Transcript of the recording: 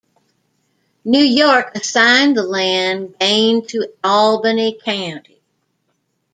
New York assigned the land gained to Albany County.